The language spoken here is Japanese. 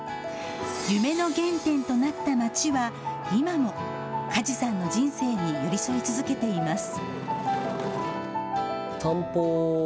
夢の原点となった街は今も梶さんの人生に寄り添い続けています。